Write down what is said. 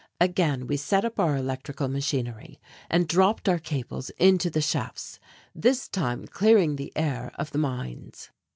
Again we set up our electrical machinery and dropped our cables into the shafts, this time clearing the air of the mines.